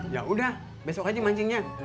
yaudah besok aja mancingnya